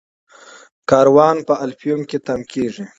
کاروان په الفیوم کې تم کیږي.